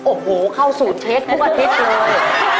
โอ้โหเข้าศูนย์เช็คทุกอาทิตย์เลย